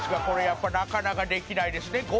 これやっぱなかなかできないですね」